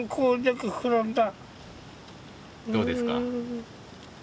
どうですか？